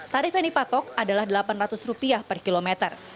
tarif yang dipatok adalah rp delapan ratus per kilometer